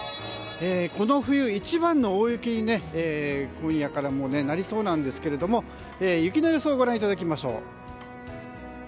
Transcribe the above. この冬一番の大雪に今夜からなりそうなんですけど雪の予想をご覧いただきましょう。